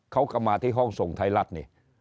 เขาก็มาที่ห้องส่งไทยรัฐนี่